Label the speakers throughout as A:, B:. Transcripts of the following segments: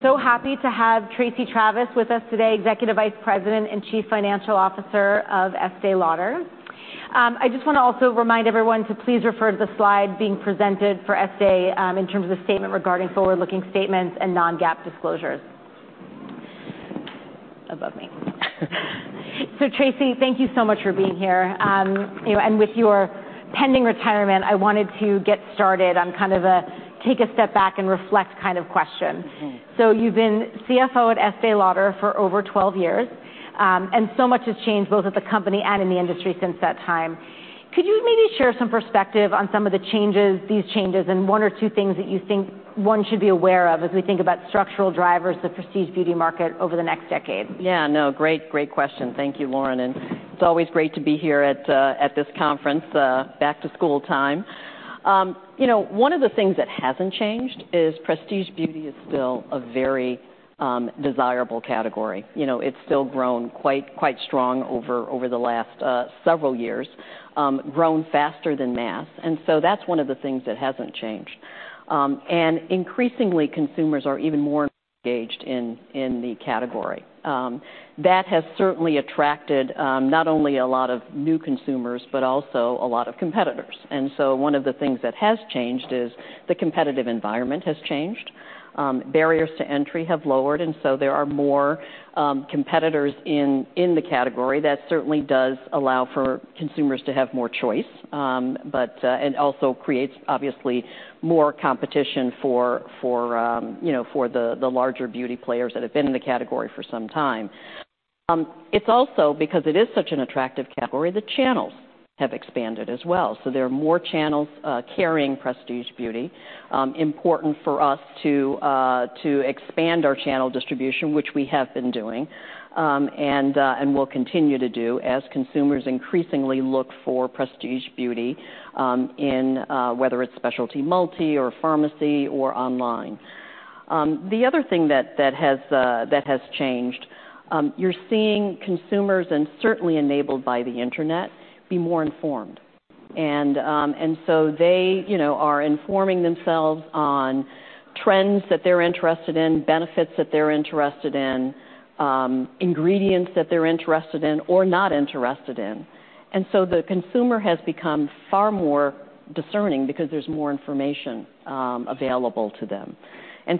A: So happy to have Tracey Travis with us today, Executive Vice President and Chief Financial Officer of Estée Lauder. I just want to also remind everyone to please refer to the slide being presented for Estée, in terms of the statement regarding forward-looking statements and non-GAAP disclosures.
B: Above me.
A: So, Tracey, thank you so much for being here. You know, and with your pending retirement, I wanted to get started on kind of a take a step back and reflect kind of question.
B: Mm-hmm.
A: So you've been CFO at Estée Lauder for over 12 years, and so much has changed, both at the company and in the industry since that time. Could you maybe share some perspective on some of the changes, these changes, and one or two things that you think one should be aware of as we think about structural drivers of the prestige beauty market over the next decade?
B: Yeah, no, great, great question. Thank you, Lauren, and it's always great to be here at this conference, back to school time. You know, one of the things that hasn't changed is prestige beauty is still a very desirable category. You know, it's still grown quite, quite strong over the last several years, grown faster than mass, and so that's one of the things that hasn't changed. And increasingly, consumers are even more engaged in the category. That has certainly attracted not only a lot of new consumers, but also a lot of competitors. And so one of the things that has changed is the competitive environment has changed. Barriers to entry have lowered, and so there are more competitors in the category. That certainly does allow for consumers to have more choice, but it also creates, obviously, more competition for, you know, for the larger beauty players that have been in the category for some time. It's also because it is such an attractive category, the channels have expanded as well, so there are more channels carrying prestige beauty. Important for us to expand our channel distribution, which we have been doing, and will continue to do as consumers increasingly look for prestige beauty in whether it's specialty multi or pharmacy or online. The other thing that has changed, you're seeing consumers, and certainly enabled by the internet, be more informed. And so they, you know, are informing themselves on trends that they're interested in, benefits that they're interested in, ingredients that they're interested in or not interested in. So the consumer has become far more discerning because there's more information available to them.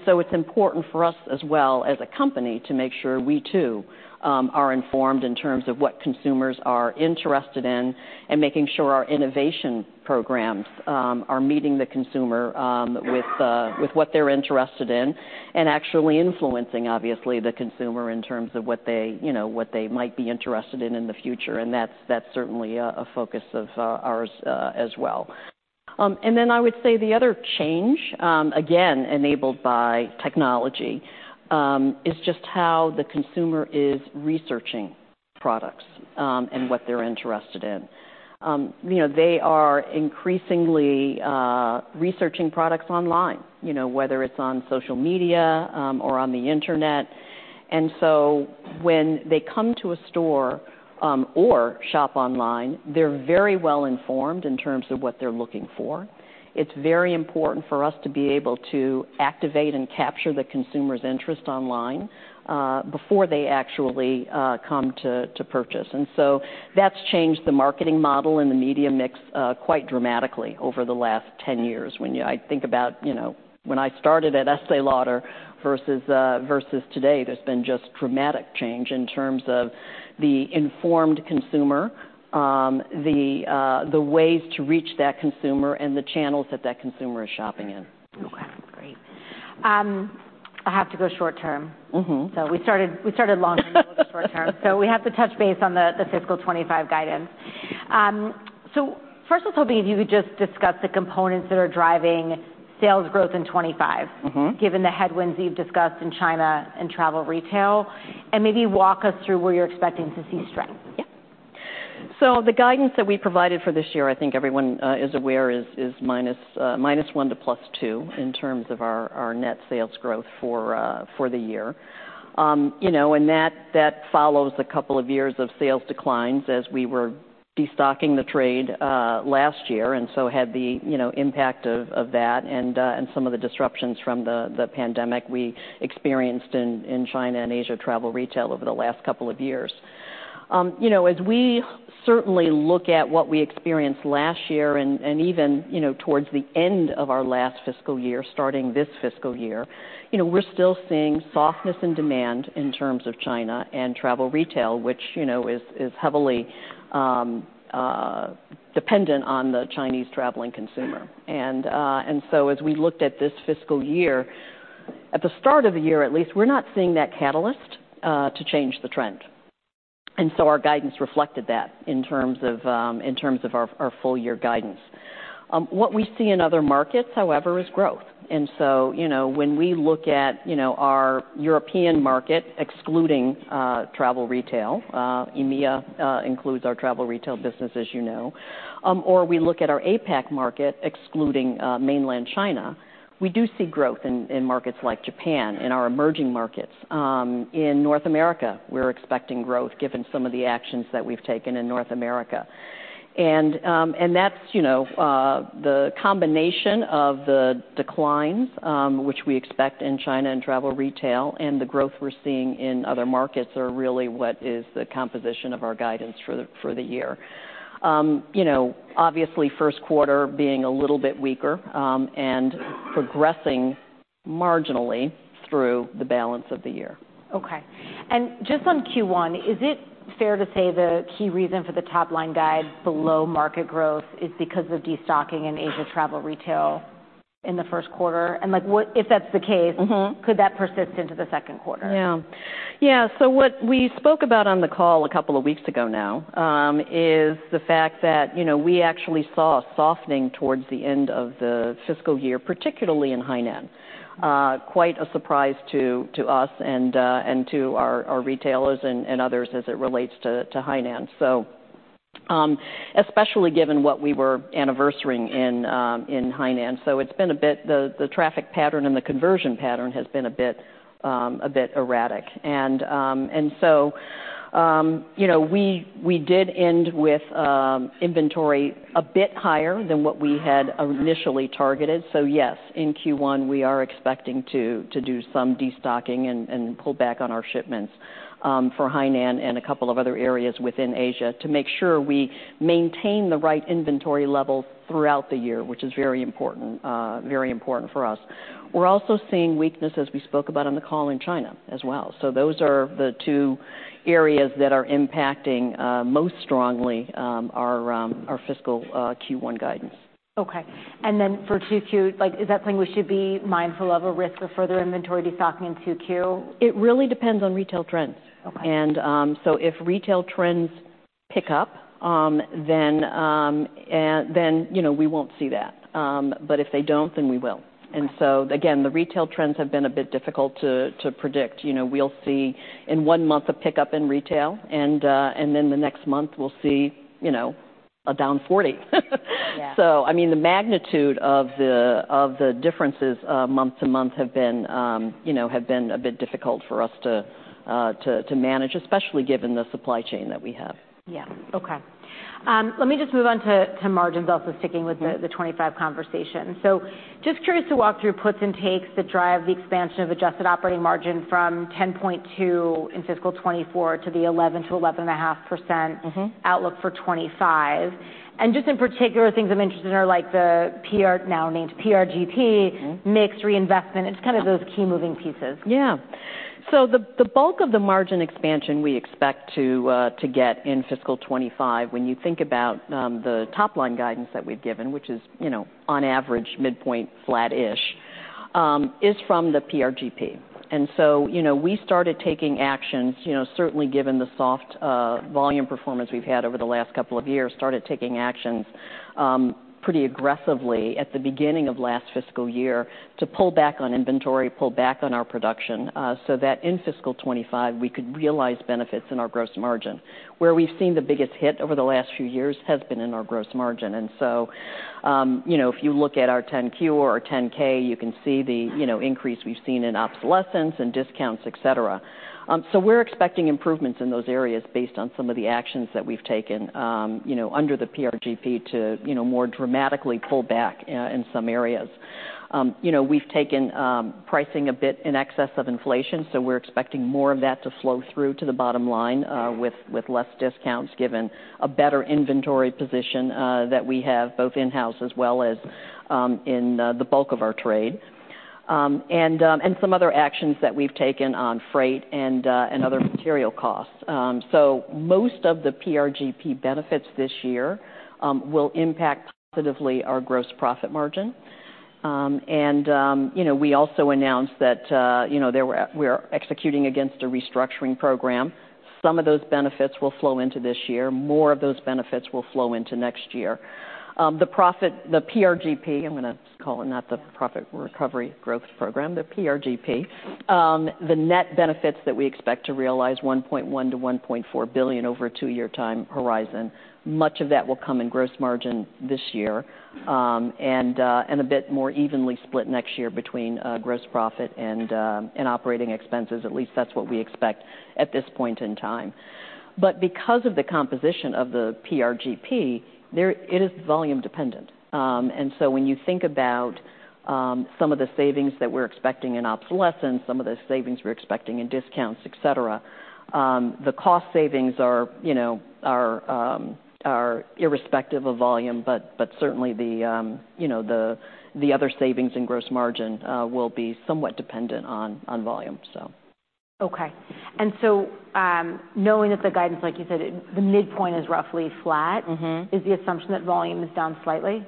B: So it's important for us as well as a company to make sure we, too, are informed in terms of what consumers are interested in, and making sure our innovation programs are meeting the consumer with what they're interested in, and actually influencing, obviously, the consumer in terms of what they, you know, what they might be interested in in the future, and that's certainly a focus of ours as well. And then I would say the other change, again, enabled by technology, is just how the consumer is researching products, and what they're interested in. You know, they are increasingly researching products online, you know, whether it's on social media, or on the internet. And so when they come to a store, or shop online, they're very well informed in terms of what they're looking for. It's very important for us to be able to activate and capture the consumer's interest online, before they actually come to purchase. And so that's changed the marketing model and the media mix, quite dramatically over the last 10 years. When I think about, you know, when I started at Estée Lauder versus today, there's been just dramatic change in terms of the informed consumer, the ways to reach that consumer and the channels that that consumer is shopping in.
A: Okay, great. I have to go short term.
B: Mm-hmm.
A: So we started long term. We'll go short term. So we have to touch base on the fiscal 2025 guidance. So first I was hoping if you could just discuss the components that are driving sales growth in 2025-
B: Mm-hmm
A: Given the headwinds you've discussed in China and travel retail, and maybe walk us through where you're expecting to see strength.
B: Yeah. So the guidance that we provided for this year, I think everyone is aware, is -1% to +2% in terms of our net sales growth for the year. You know, and that follows a couple of years of sales declines as we were destocking the trade last year, and so had the impact of that and some of the disruptions from the pandemic we experienced in China and Asia travel retail over the last couple of years. You know, as we certainly look at what we experienced last year and even, you know, towards the end of our last fiscal year, starting this fiscal year, you know, we're still seeing softness in demand in terms of China and travel retail, which, you know, is heavily dependent on the Chinese traveling consumer. And so as we looked at this fiscal year, at the start of the year at least, we're not seeing that catalyst to change the trend. And so our guidance reflected that in terms of our full year guidance. What we see in other markets, however, is growth. And so, you know, when we look at, you know, our European market, excluding travel retail, EMEA includes our travel retail business, as you know, or we look at our APAC market, excluding Mainland China, we do see growth in markets like Japan, in our emerging markets. In North America, we're expecting growth given some of the actions that we've taken in North America. And that's, you know, the combination of the declines, which we expect in China and travel retail, and the growth we're seeing in other markets are really what is the composition of our guidance for the year. You know, obviously, first quarter being a little bit weaker, and progressing marginally through the balance of the year.
A: Okay. And just on Q1, is it fair to say the key reason for the top-line guide below market growth is because of destocking in Asia travel retail in the first quarter? And, like, what - if that's the case -
B: Mm-hmm.
A: Could that persist into the second quarter?
B: Yeah. Yeah, so what we spoke about on the call a couple of weeks ago now is the fact that, you know, we actually saw a softening towards the end of the fiscal year, particularly in Hainan. Quite a surprise to us and to our retailers and others as it relates to Hainan. So, especially given what we were anniversaring in Hainan. So it's been a bit. The traffic pattern and the conversion pattern has been a bit erratic. And so, you know, we did end with inventory a bit higher than what we had initially targeted. So yes, in Q1, we are expecting to do some destocking and pull back on our shipments for Hainan and a couple of other areas within Asia, to make sure we maintain the right inventory levels throughout the year, which is very important, very important for us. We're also seeing weakness, as we spoke about on the call, in China as well. So those are the two areas that are impacting most strongly our fiscal Q1 guidance.
A: Okay. And then for 2Q, like, is that something we should be mindful of, a risk of further inventory destocking in 2Q?
B: It really depends on retail trends.
A: Okay.
B: So if retail trends pick up, then you know, we won't see that. But if they don't, then we will.
A: Got it.
B: And so again, the retail trends have been a bit difficult to predict. You know, we'll see in one month a pickup in retail, and then the next month we'll see, you know, a down forty.
A: Yeah.
B: I mean, the magnitude of the differences month to month have been, you know, a bit difficult for us to manage, especially given the supply chain that we have.
A: Yeah. Okay. Let me just move on to margin build, so sticking with the-
B: Mm-hmm...
A: the 2025 conversation. So just curious to walk through puts and takes that drive the expansion of adjusted operating margin from 10.2 in fiscal 2024 to the 11-11.5 percent-
B: Mm-hmm
A: Outlook for 2025. And just in particular, things I'm interested in are like the PR, now named PRGP.
B: Mm-hmm
A: -mix reinvestment. It's kind of those key moving pieces.
B: Yeah. So the bulk of the margin expansion we expect to get in fiscal 2025, when you think about the top-line guidance that we've given, which is, you know, on average, midpoint flat-ish, is from the PRGP. And so, you know, we started taking actions, certainly given the soft volume performance we've had over the last couple of years, pretty aggressively at the beginning of last fiscal year to pull back on inventory, pull back on our production, so that in fiscal 2025, we could realize benefits in our gross margin. Where we've seen the biggest hit over the last few years has been in our gross margin. And so, you know, if you look at our 10-Q or our 10-K, you can see the increase we've seen in obsolescence and discounts, et cetera. So we're expecting improvements in those areas based on some of the actions that we've taken, you know, under the PRGP to, you know, more dramatically pull back in some areas. You know, we've taken pricing a bit in excess of inflation, so we're expecting more of that to flow through to the bottom line.
A: Mm-hmm...
B: with less discounts, given a better inventory position that we have, both in-house as well as in the bulk of our trade, and some other actions that we've taken on freight and other material costs. Most of the PRGP benefits this year will impact positively our gross profit margin. You know, we also announced that we're executing against a restructuring program. Some of those benefits will flow into this year. More of those benefits will flow into next year. The PRGP, I'm gonna call it, not the Profit Recovery Growth Program, the PRGP. The net benefits that we expect to realize, $1.1-$1.4 billion over a two-year time horizon, much of that will come in gross margin this year, and a bit more evenly split next year between gross profit and operating expenses. At least that's what we expect at this point in time. But because of the composition of the PRGP, it is volume dependent. And so when you think about some of the savings that we're expecting in obsolescence, some of the savings we're expecting in discounts, et cetera, the cost savings are, you know, are irrespective of volume, but certainly the, you know, the other savings in gross margin will be somewhat dependent on volume, so.
A: Okay. And so, knowing that the guidance, like you said, the midpoint is roughly flat.
B: Mm-hmm
A: is the assumption that volume is down slightly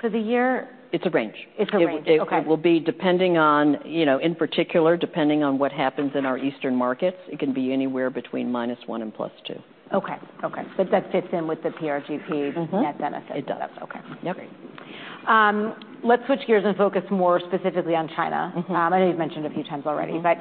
A: for the year?
B: It's a range.
A: It's a range.
B: It, it-
A: Okay...
B: it will be depending on, you know, in particular, depending on what happens in our eastern markets, it can be anywhere between minus one and plus two.
A: Okay. Okay, but that fits in with the PRGP-
B: Mm-hmm
A: -net benefit?
B: It does.
A: Okay.
B: Yep.
A: Great. Let's switch gears and focus more specifically on China.
B: Mm-hmm.
A: I know you've mentioned a few times already, but,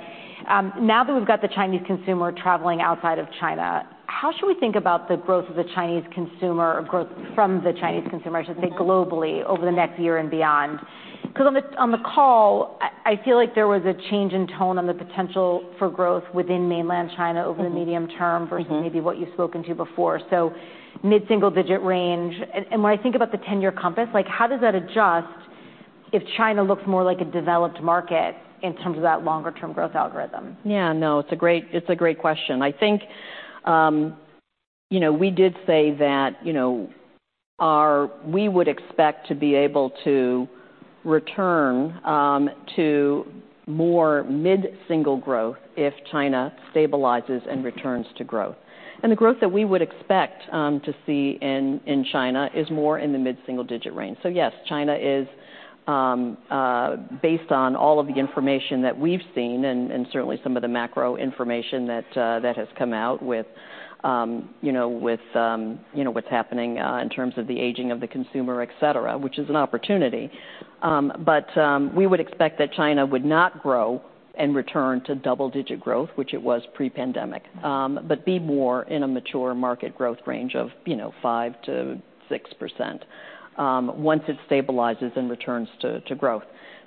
A: now that we've got the Chinese consumer traveling outside of China, how should we think about the growth of the Chinese consumer, or growth from the Chinese consumer, I should say, globally?
B: Mm-hmm
A: Over the next year and beyond? Because on the call, I feel like there was a change in tone on the potential for growth within Mainland China.
B: Mm-hmm
A: over the medium term
B: Mm-hmm
A: -versus maybe what you've spoken to before, so mid-single digit range. And when I think about the 10-Year Compass, like, how does that adjust?... if China looks more like a developed market in terms of that longer-term growth algorithm?
B: Yeah, no, it's a great question. I think you know we did say that you know we would expect to be able to return to more mid-single growth if China stabilizes and returns to growth. And the growth that we would expect to see in China is more in the mid-single digit range. So yes, China is based on all of the information that we've seen and certainly some of the macro information that that has come out with you know with you know what's happening in terms of the aging of the consumer, et cetera, which is an opportunity. But we would expect that China would not grow and return to double-digit growth, which it was pre-pandemic, but be more in a mature market growth range of, you know, 5%-6%, once it stabilizes and returns to growth.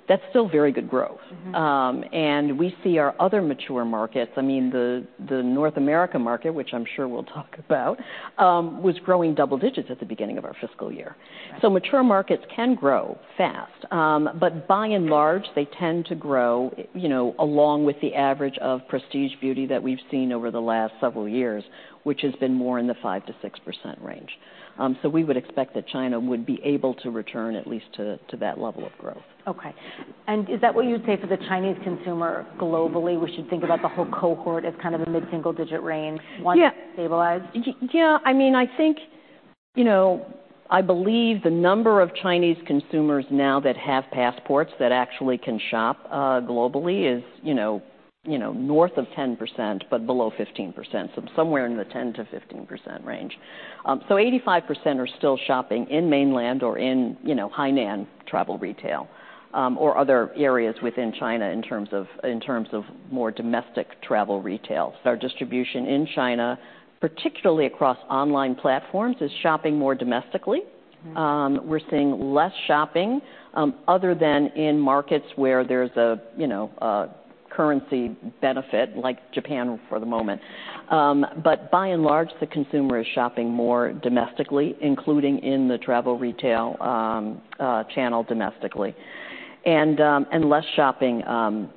B: That's still very good growth.
A: Mm-hmm.
B: and we see our other mature markets, I mean, the North America market, which I'm sure we'll talk about, was growing double digits at the beginning of our fiscal year.
A: Right.
B: So mature markets can grow fast. But by and large, they tend to grow, you know, along with the average of prestige beauty that we've seen over the last several years, which has been more in the 5%-6% range. So we would expect that China would be able to return at least to that level of growth.
A: Okay. And is that what you'd say for the Chinese consumer globally? We should think about the whole cohort as kind of a mid-single digit range-
B: Yeah
A: once stabilized?
B: Yeah, I mean, I think. You know, I believe the number of Chinese consumers now that have passports that actually can shop globally is, you know, north of 10%, but below 15%, so somewhere in the 10% to 15% range. So 85% are still shopping in Mainland China or in, you know, Hainan travel retail, or other areas within China in terms of, in terms of more domestic travel retail. Our distribution in China, particularly across online platforms, is shopping more domestically.
A: Mm-hmm.
B: We're seeing less shopping, other than in markets where there's a, you know, a currency benefit, like Japan for the moment. But by and large, the consumer is shopping more domestically, including in the travel retail channel domestically, and less shopping,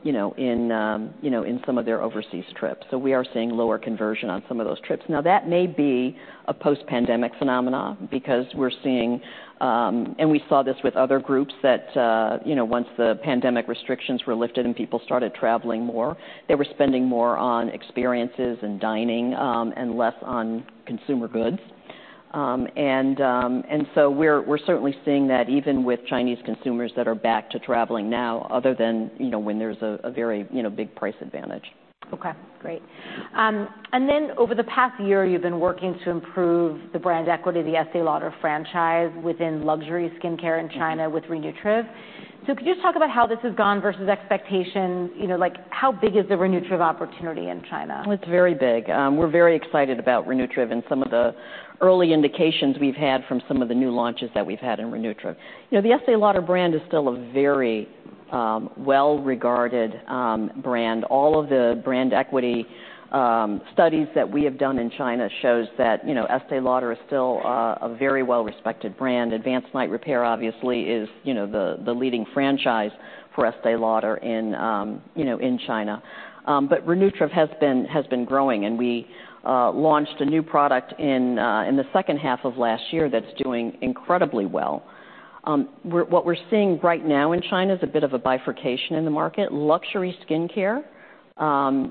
B: you know, in, you know, in some of their overseas trips. So we are seeing lower conversion on some of those trips. Now, that may be a post-pandemic phenomena because we're seeing, and we saw this with other groups that, you know, once the pandemic restrictions were lifted and people started traveling more, they were spending more on experiences and dining, and less on consumer goods. And so we're certainly seeing that even with Chinese consumers that are back to traveling now, other than, you know, when there's a very, you know, big price advantage.
A: Okay, great. And then over the past year, you've been working to improve the brand equity of the Estée Lauder franchise within luxury skincare in China.
B: Mm-hmm
A: with Re-Nutriv. So could you just talk about how this has gone versus expectations? You know, like, how big is the Re-Nutriv opportunity in China?
B: It's very big. We're very excited about Re-Nutriv and some of the early indications we've had from some of the new launches that we've had in Re-Nutriv. You know, the Estée Lauder brand is still a very well-regarded brand. All of the brand equity studies that we have done in China shows that, you know, Estée Lauder is still a very well-respected brand. Advanced Night Repair, obviously, is, you know, the leading franchise for Estée Lauder in, you know, in China. But Re-Nutriv has been growing, and we launched a new product in the second half of last year that's doing incredibly well. What we're seeing right now in China is a bit of a bifurcation in the market. Luxury skincare,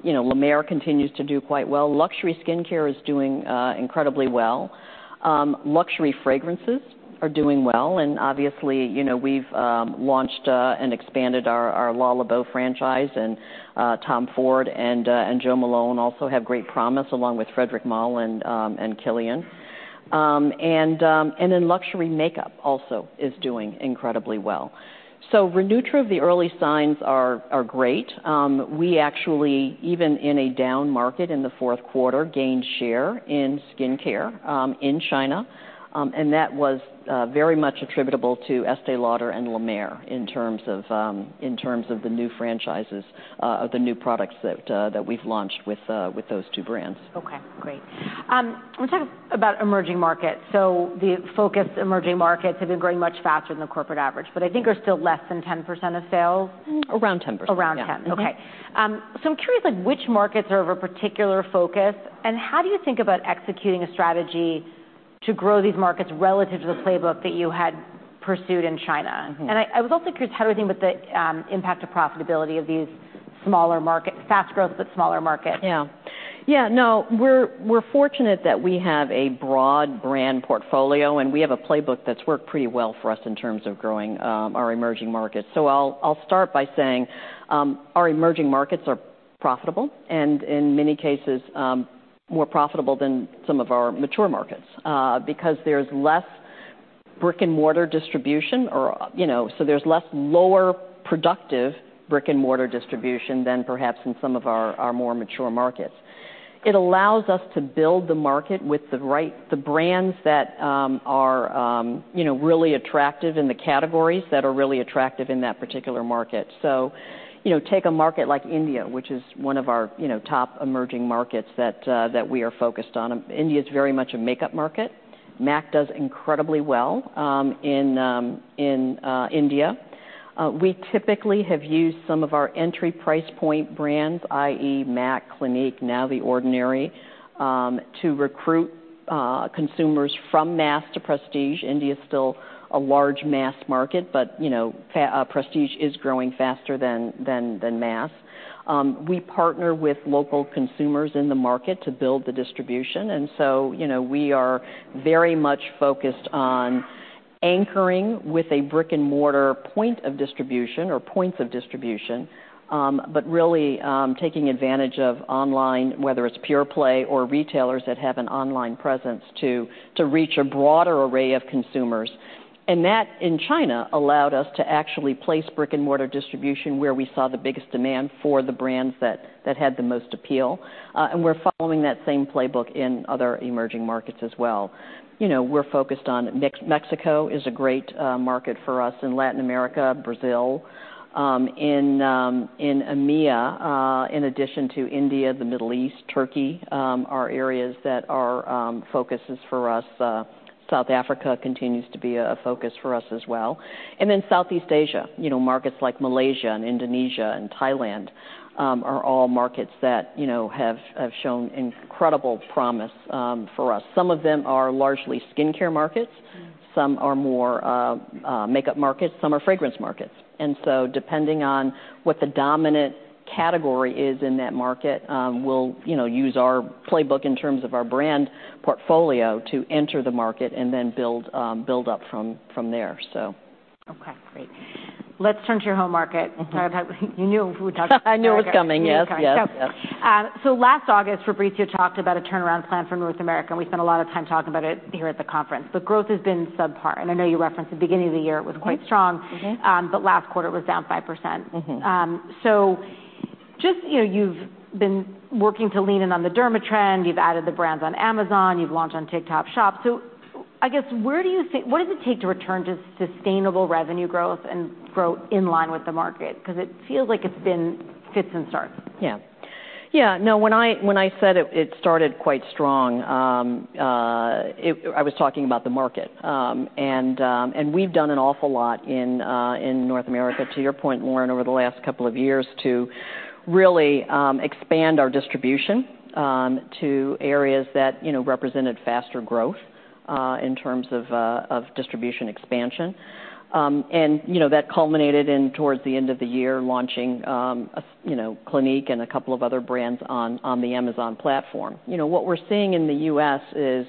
B: you know, La Mer continues to do quite well. Luxury skincare is doing incredibly well. Luxury fragrances are doing well, and obviously, you know, we've launched and expanded our Le Labo franchise, and Tom Ford and Jo Malone also have great promise, along with Frédéric Malle and Kilian, and then luxury makeup also is doing incredibly well, so Re-Nutriv, the early signs are great. We actually, even in a down market in the fourth quarter, gained share in skincare in China, and that was very much attributable to Estée Lauder and La Mer in terms of the new franchises, the new products that we've launched with those two brands.
A: Okay, great. Let's talk about emerging markets. So the focused emerging markets have been growing much faster than the corporate average, but I think they're still less than 10% of sales?
B: Around 10%.
A: Around 10, okay.
B: Mm-hmm.
A: So I'm curious, like, which markets are of a particular focus, and how do you think about executing a strategy to grow these markets relative to the playbook that you had pursued in China?
B: Mm-hmm.
A: I was also curious, how do you think about the impact to profitability of these smaller markets, fast growth, but smaller markets?
B: Yeah. Yeah, no, we're fortunate that we have a broad brand portfolio, and we have a playbook that's worked pretty well for us in terms of growing our emerging markets. So I'll start by saying our emerging markets are profitable and, in many cases, more profitable than some of our mature markets because there's less brick-and-mortar distribution or, you know, so there's less lower productive brick-and-mortar distribution than perhaps in some of our more mature markets. It allows us to build the market with the brands that are, you know, really attractive, and the categories that are really attractive in that particular market. So you know, take a market like India, which is one of our, you know, top emerging markets that we are focused on. India is very much a makeup market... MAC does incredibly well in India. We typically have used some of our entry price point brands, i.e., MAC, Clinique, now The Ordinary, to recruit consumers from mass to prestige. India is still a large mass market, but, you know, prestige is growing faster than mass. We partner with local consumers in the market to build the distribution, and so, you know, we are very much focused on anchoring with a brick-and-mortar point of distribution or points of distribution, but really, taking advantage of online, whether it's pure play or retailers that have an online presence to reach a broader array of consumers. And that, in China, allowed us to actually place brick-and-mortar distribution where we saw the biggest demand for the brands that had the most appeal. And we're following that same playbook in other emerging markets as well. You know, we're focused on Mexico. Mexico is a great market for us in Latin America, Brazil. In EMEA, in addition to India, the Middle East, Turkey, are areas that are focuses for us. South Africa continues to be a focus for us as well. And then Southeast Asia, you know, markets like Malaysia and Indonesia and Thailand are all markets that, you know, have shown incredible promise for us. Some of them are largely skincare markets, some are more makeup markets, some are fragrance markets. And so, depending on what the dominant category is in that market, we'll, you know, use our playbook in terms of our brand portfolio to enter the market and then build up from there, so.
A: Okay, great. Let's turn to your home market.
B: Mm-hmm.
A: Sorry about that. You knew we would talk about.
B: I knew it was coming. Yes, yes, yep.
A: So last August, Fabrizio talked about a turnaround plan for North America, and we spent a lot of time talking about it here at the conference. But growth has been subpar, and I know you referenced the beginning of the year-
B: Mm-hmm.
A: It was quite strong.
B: Mm-hmm.
A: But last quarter was down 5%.
B: Mm-hmm.
A: So just, you know, you've been working to lean in on the derma trend, you've added the brands on Amazon, you've launched on TikTok Shop. So I guess, what does it take to return to sustainable revenue growth and grow in line with the market? Because it feels like it's been fits and starts.
B: Yeah. Yeah, no, when I said it, it started quite strong. I was talking about the market. And we've done an awful lot in North America, to your point, Lauren, over the last couple of years, to really expand our distribution to areas that, you know, represented faster growth in terms of distribution expansion. And, you know, that culminated in, towards the end of the year, launching, you know, Clinique and a couple of other brands on the Amazon platform. You know, what we're seeing in the U.S. is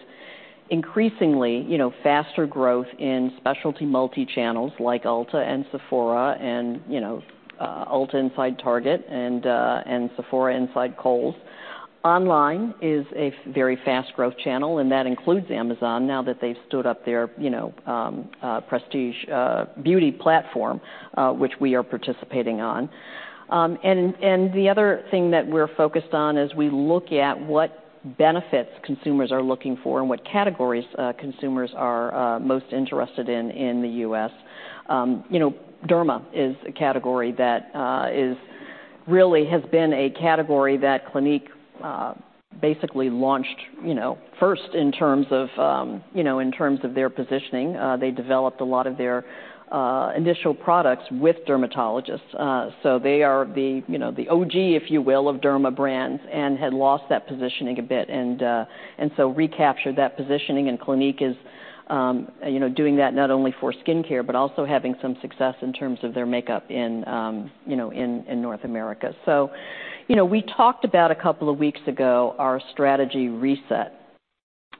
B: increasingly, you know, faster growth in specialty multi-channels like Ulta and Sephora and, you know, Ulta inside Target and Sephora inside Kohl's. Online is a very fast growth channel, and that includes Amazon, now that they've stood up their, you know, prestige beauty platform, which we are participating on, and the other thing that we're focused on is we look at what benefits consumers are looking for and what categories consumers are most interested in in the U.S. You know, derma is a category that really has been a category that Clinique basically launched, you know, first in terms of their positioning. They developed a lot of their initial products with dermatologists. So they are the, you know, the OG, if you will, of derma brands, and had lost that positioning a bit, and so recaptured that positioning. And Clinique is, you know, doing that not only for skincare, but also having some success in terms of their makeup in, you know, in North America. So, you know, we talked about a couple of weeks ago, our strategy reset,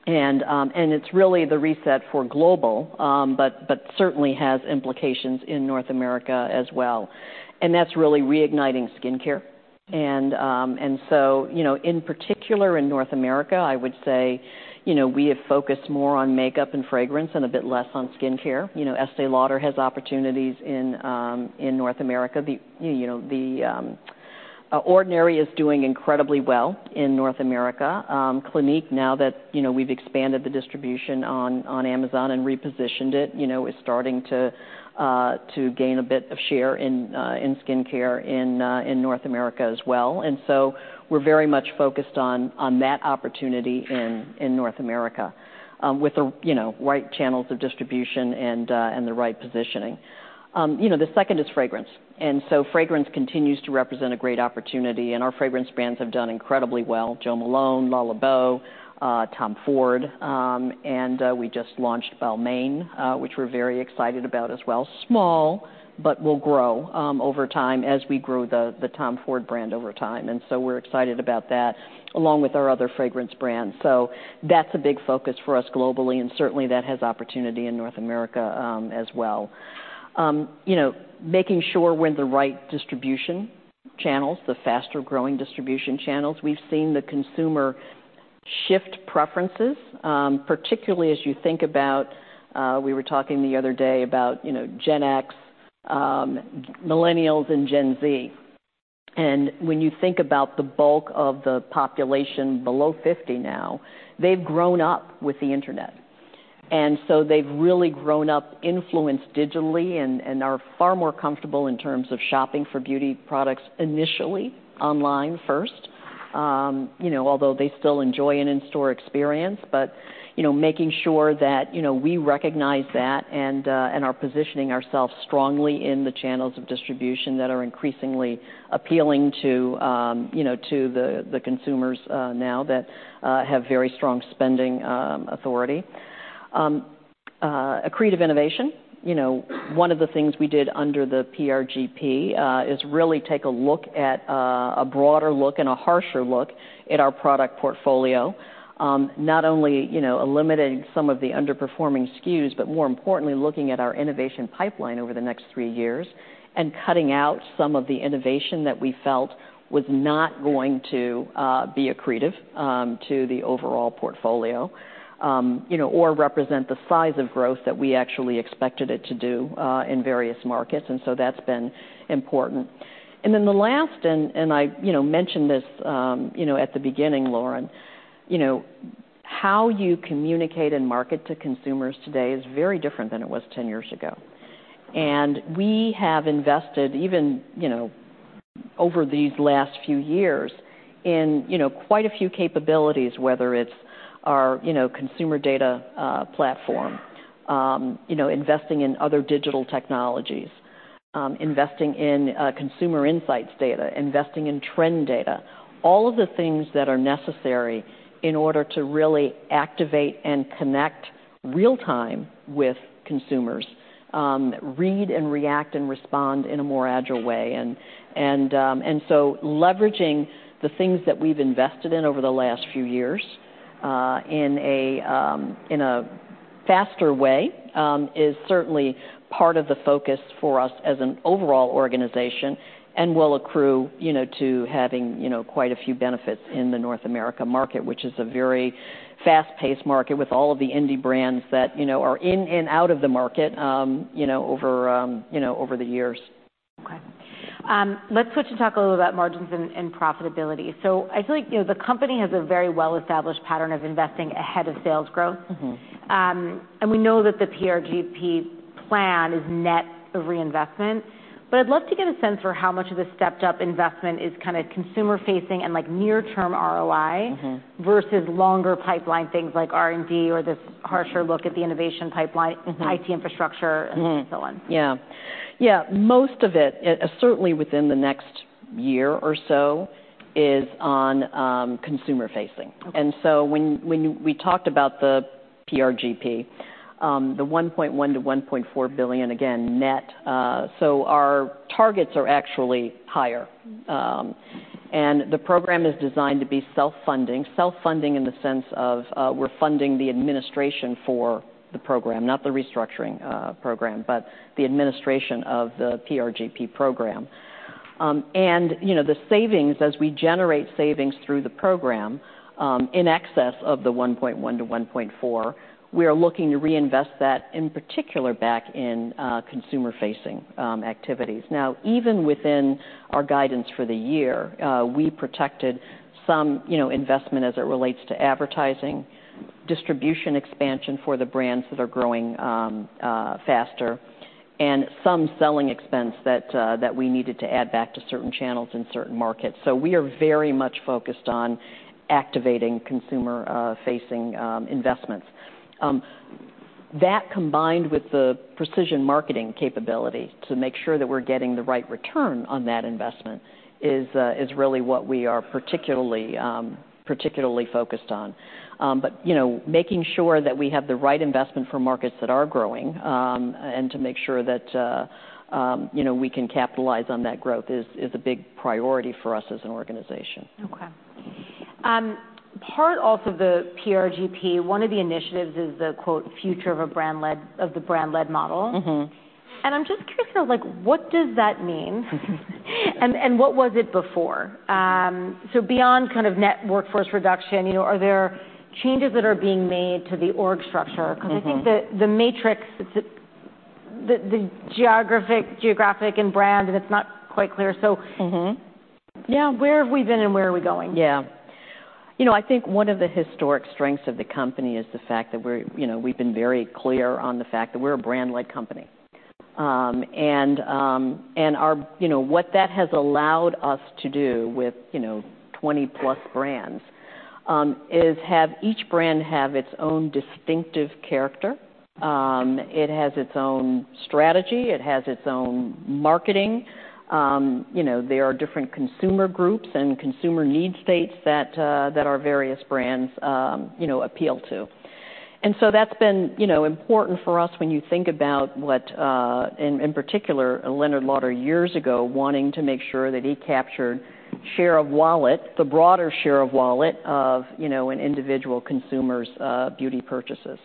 B: and it's really the reset for global, but certainly has implications in North America as well. And that's really reigniting skincare. And so, you know, in particular, in North America, I would say, you know, we have focused more on makeup and fragrance and a bit less on skincare. You know, Estée Lauder has opportunities in North America. The, you know, The Ordinary is doing incredibly well in North America. Clinique, now that, you know, we've expanded the distribution on Amazon and repositioned it, you know, is starting to gain a bit of share in skincare in North America as well. And so we're very much focused on that opportunity in North America, with the, you know, right channels of distribution and the right positioning. You know, the second is fragrance. And so fragrance continues to represent a great opportunity, and our fragrance brands have done incredibly well. Jo Malone, Le Labo, Tom Ford, and we just launched Balmain, which we're very excited about as well. Small, but will grow over time as we grow the Tom Ford brand over time. And so we're excited about that, along with our other fragrance brands. So that's a big focus for us globally, and certainly, that has opportunity in North America as well. You know, making sure we're in the right distribution channels, the faster-growing distribution channels. We've seen the consumer shift preferences, particularly as you think about, we were talking the other day about, you know, Gen X, Millennials and Gen Z, and when you think about the bulk of the population below fifty now, they've grown up with the internet, and so they've really grown up influenced digitally and are far more comfortable in terms of shopping for beauty products initially online first.... you know, although they still enjoy an in-store experience, but, you know, making sure that, you know, we recognize that and and are positioning ourselves strongly in the channels of distribution that are increasingly appealing to, you know, to the the consumers now that have very strong spending authority. Accretive innovation. You know, one of the things we did under the PRGP is really take a look at a broader look and a harsher look at our product portfolio. Not only, you know, eliminating some of the underperforming SKUs, but more importantly, looking at our innovation pipeline over the next three years and cutting out some of the innovation that we felt was not going to be accretive to the overall portfolio. You know, or represent the size of growth that we actually expected it to do in various markets, and so that's been important, and then the last, and I, you know, mentioned this, you know, at the beginning, Lauren. You know, how you communicate and market to consumers today is very different than it was 10 years ago, and we have invested even, you know, over these last few years in, you know, quite a few capabilities, whether it's our, you know, consumer data platform, you know, investing in other digital technologies, investing in consumer insights data, investing in trend data, all of the things that are necessary in order to really activate and connect real time with consumers, read and react and respond in a more agile way. Leveraging the things that we've invested in over the last few years in a faster way is certainly part of the focus for us as an overall organization, and will accrue, you know, to having, you know, quite a few benefits in the North America market, which is a very fast-paced market with all of the indie brands that you know are in and out of the market, you know, over you know over the years.
A: Okay. Let's switch and talk a little about margins and profitability, so I feel like, you know, the company has a very well-established pattern of investing ahead of sales growth.
B: Mm-hmm.
A: And we know that the PRGP plan is net of reinvestment. But I'd love to get a sense for how much of the stepped up investment is kind of consumer facing and, like, near-term ROI-
B: Mm-hmm.
A: versus longer pipeline things like R&D or this harsher look at the innovation pipeline
B: Mm-hmm.
A: IT infrastructure
B: Mm-hmm.
A: and so on.
B: Yeah. Yeah, most of it, certainly within the next year or so, is on, consumer facing.
A: Okay.
B: And so when we talked about the PRGP, the $1.1-$1.4 billion, again, net, so our targets are actually higher. And the program is designed to be self-funding. Self-funding in the sense of, we're funding the administration for the program, not the restructuring program, but the administration of the PRGP program. And, you know, the savings as we generate savings through the program, in excess of the $1.1-$1.4 billion, we are looking to reinvest that, in particular, back in consumer-facing activities. Now, even within our guidance for the year, we protected some, you know, investment as it relates to advertising, distribution expansion for the brands that are growing faster, and some selling expense that we needed to add back to certain channels in certain markets. We are very much focused on activating consumer facing investments. That, combined with the precision marketing capability to make sure that we're getting the right return on that investment, is really what we are particularly focused on. You know, making sure that we have the right investment for markets that are growing, and to make sure that, you know, we can capitalize on that growth is a big priority for us as an organization.
A: Okay. Part also of the PRGP, one of the initiatives is the, quote, "Future of the brand-led model.
B: Mm-hmm.
A: And I'm just curious about, like, what does that mean? And, and what was it before?
B: Mm-hmm.
A: So beyond kind of net workforce reduction, you know, are there changes that are being made to the org structure?
B: Mm-hmm.
A: Because I think the matrix, the geographic and brand, and it's not quite clear. So-
B: Mm-hmm.
A: Yeah, where have we been and where are we going?
B: Yeah. You know, I think one of the historic strengths of the company is the fact that we're, you know, we've been very clear on the fact that we're a brand-led company. You know, what that has allowed us to do with, you know, 20+ plus brands, is have each brand have its own distinctive character. It has its own strategy. It has its own marketing. You know, there are different consumer groups and consumer need states that that our various brands, you know, appeal to. And so that's been, you know, important for us when you think about what in particular, Leonard Lauder years ago, wanting to make sure that he captured share of wallet, the broader share of wallet of, you know, an individual consumer's beauty purchases.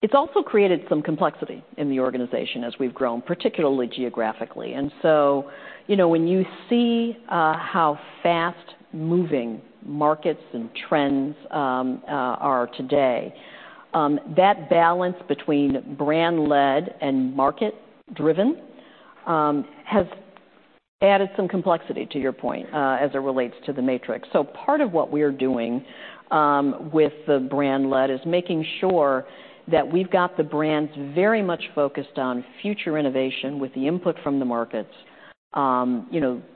B: It's also created some complexity in the organization as we've grown, particularly geographically, and so, you know, when you see how fast-moving markets and trends are today, that balance between brand-led and market-driven has added some complexity, to your point, as it relates to the matrix, so part of what we're doing with the brand-led is making sure that we've got the brands very much focused on future innovation with the input from the markets. You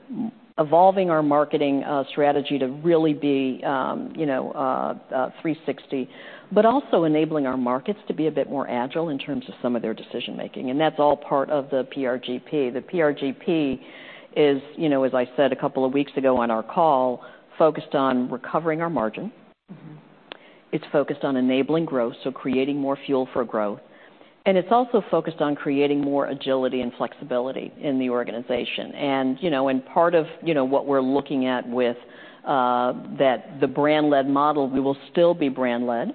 B: know, evolving our marketing strategy to really be 360, but also enabling our markets to be a bit more agile in terms of some of their decision making, and that's all part of the PRGP. The PRGP is, you know, as I said a couple of weeks ago on our call, focused on recovering our margin.
A: Mm-hmm.
B: It's focused on enabling growth, so creating more fuel for growth, and it's also focused on creating more agility and flexibility in the organization. And, you know, and part of, you know, what we're looking at with the brand-led model, we will still be brand-led,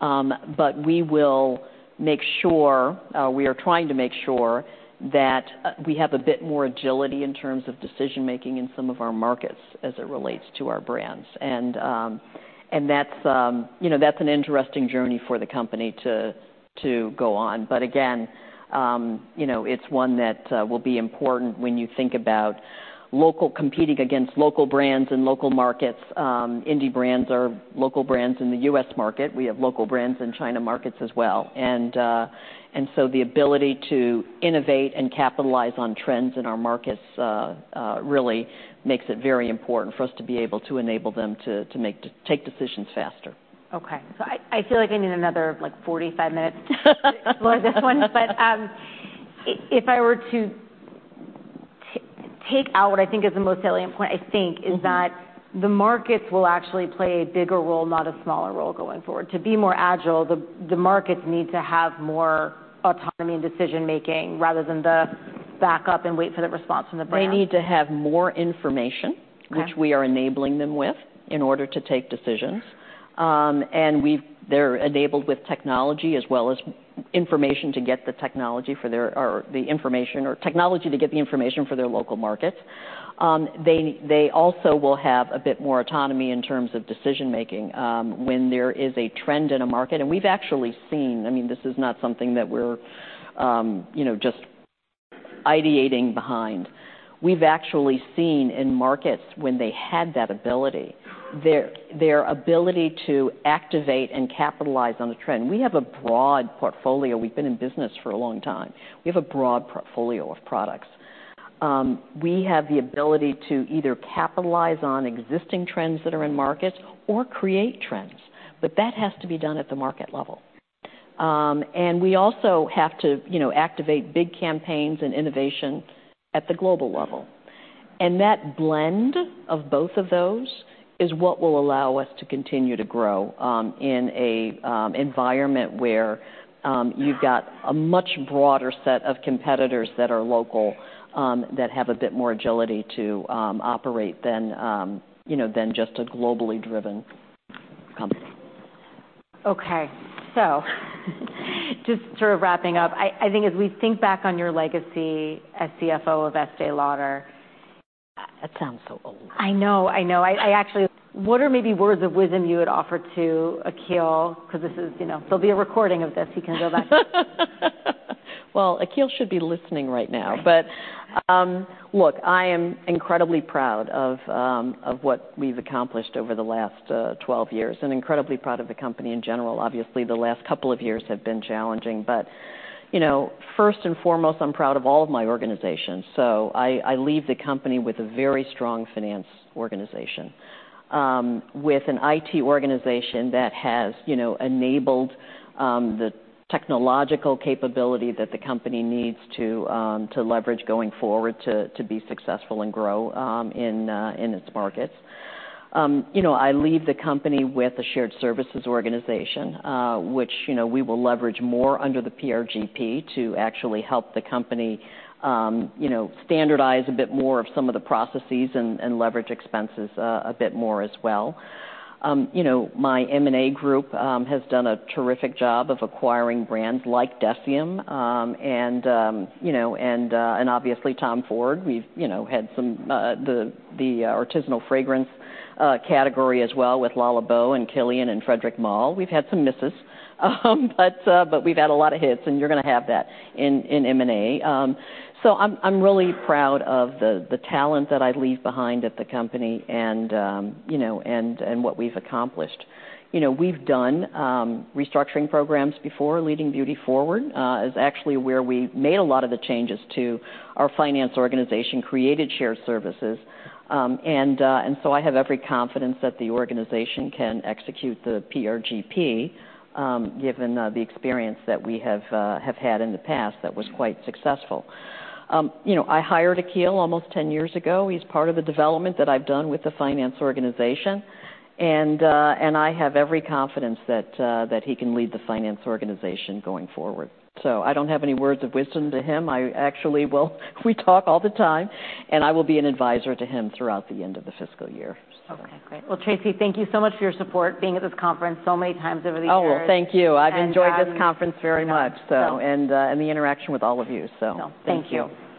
B: but we will make sure we are trying to make sure that we have a bit more agility in terms of decision making in some of our markets as it relates to our brands. And, and that's, you know, that's an interesting journey for the company to go on. But again, you know, it's one that will be important when you think about local competing against local brands and local markets. Indie brands are local brands in the U.S. market. We have local brands in China markets as well. The ability to innovate and capitalize on trends in our markets really makes it very important for us to be able to enable them to take decisions faster.
A: Okay. So I feel like I need another, like, forty-five minutes to explore this one. But, if I were to take out what I think is the most salient point, I think-
B: Mm-hmm...
A: is that the markets will actually play a bigger role, not a smaller role, going forward. To be more agile, the markets need to have more autonomy in decision making rather than the back up and wait for the response from the brand.
B: They need to have more information.
A: Okay...
B: which we are enabling them with in order to take decisions. And they're enabled with technology as well as information to get the technology for their... Or the information or technology to get the information for their local markets. They also will have a bit more autonomy in terms of decision making, when there is a trend in a market. And we've actually seen, I mean, this is not something that we're, you know, just ideating behind. We've actually seen in markets when they had that ability, their ability to activate and capitalize on the trend. We have a broad portfolio. We've been in business for a long time. We have a broad portfolio of products. We have the ability to either capitalize on existing trends that are in markets or create trends, but that has to be done at the market level. And we also have to, you know, activate big campaigns and innovation at the global level. And that blend of both of those is what will allow us to continue to grow, in an environment where, you've got a much broader set of competitors that are local, that have a bit more agility to, operate than, you know, than just a globally driven company.
A: Okay, so just sort of wrapping up, I think as we think back on your legacy as CFO of Estée Lauder.
B: That sounds so old.
A: I know, I know. I actually... What are maybe words of wisdom you would offer to Akhil? Because this is, you know, there'll be a recording of this. He can go back.
B: Akhil should be listening right now.
A: Right.
B: But look, I am incredibly proud of what we've accomplished over the last 12 years and incredibly proud of the company in general. Obviously, the last couple of years have been challenging, but you know, first and foremost, I'm proud of all of my organizations. So I leave the company with a very strong finance organization, with an IT organization that has you know enabled the technological capability that the company needs to leverage going forward to be successful and grow in its markets. You know, I leave the company with a shared services organization, which you know we will leverage more under the PRGP to actually help the company you know standardize a bit more of some of the processes and leverage expenses a bit more as well. You know, my M&A group has done a terrific job of acquiring brands like DECIEM, and you know and obviously Tom Ford. We've, you know, had some artisanal fragrance category as well with Le Labo and Kilian and Frédéric Malle. We've had some misses, but we've had a lot of hits, and you're going to have that in M&A. So I'm really proud of the talent that I leave behind at the company and you know and what we've accomplished. You know, we've done restructuring programs before. Leading Beauty Forward is actually where we made a lot of the changes to our finance organization, created shared services. And so I have every confidence that the organization can execute the PRGP, given the experience that we have had in the past that was quite successful. You know, I hired Akhil almost 10 years ago. He's part of the development that I've done with the finance organization, and I have every confidence that he can lead the finance organization going forward. So I don't have any words of wisdom to him. I actually... Well, we talk all the time, and I will be an advisor to him throughout the end of the fiscal year.
A: Okay, great. Well, Tracey, thank you so much for your support, being at this conference so many times over the years.
B: Oh, well, thank you.
A: And I-
B: I've enjoyed this conference very much, so-
A: So-...
B: and the interaction with all of you.
A: Thank you.